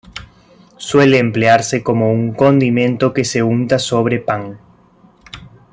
Suele emplearse como un condimento que se unta sobre pan.